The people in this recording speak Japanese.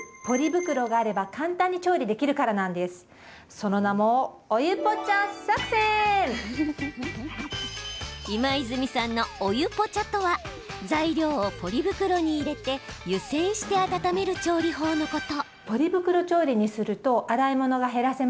その名も今泉さんのお湯ポチャとは材料をポリ袋に入れて湯煎して温める調理法のこと。